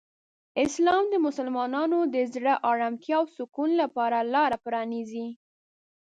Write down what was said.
اسلام د مسلمانانو د زړه آرامتیا او سکون لپاره لاره پرانیزي.